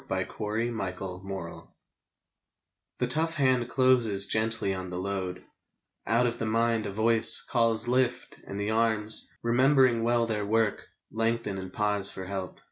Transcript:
62 MAN CARRYING BALE r I ^HE tough hand closes gently on the load ; X Out of the mind, a voice Calls " Lift !" and the arms, remembering well their work, Lengthen and pause for help.